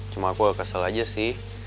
cuma aku kesel aja sih